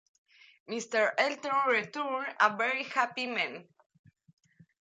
Mr Elton returned, a very happy man.